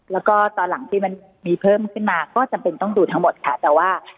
แล้วก็ตอนหลังที่มันมีเพิ่มขึ้นมาก็จำเป็นต้องดูทั้งหมดค่ะแต่ว่า